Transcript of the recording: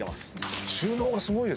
収納がすごいですよね。